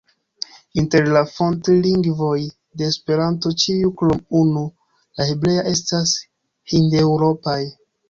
Inter la fontolingvoj de Esperanto ĉiuj krom unu, la hebrea, estas hindeŭropaj.